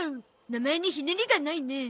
名前にひねりがないねえ。